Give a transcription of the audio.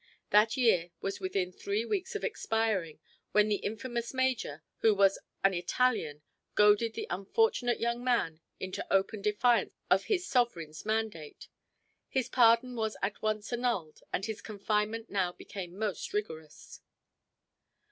That year was within three weeks of expiring when the infamous major, who was an Italian, goaded the unfortunate young man into open defiance of his sovereign's mandate. His pardon was at once annulled and his confinement now became most rigorous.